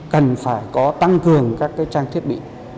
cần phải có tăng cường các trang thiết bị